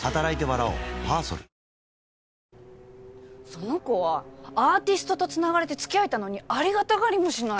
その子はアーティストとつながれてつきあえたのにありがたがりもしない！